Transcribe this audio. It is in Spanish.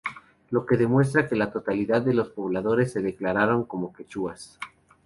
Lo que muestra que la totalidad de los pobladores se declararon como quechuas.